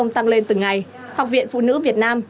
tăng lên từng ngày học viện phụ nữ việt nam